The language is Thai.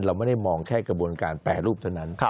เราไม่ได้มองแค่กระบวนการแปรรูปเท่านั้น